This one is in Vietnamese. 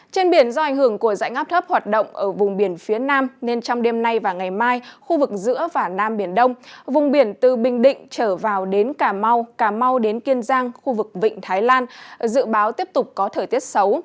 trên biển do ảnh hưởng của dãy ngáp thấp hoạt động ở vùng biển phía nam nên trong đêm nay và ngày mai khu vực giữa và nam biển đông vùng biển từ bình định trở vào đến cà mau cà mau đến kiên giang khu vực vịnh thái lan dự báo tiếp tục có thời tiết xấu